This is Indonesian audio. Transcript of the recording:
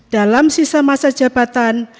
dalam sisa masa jabatan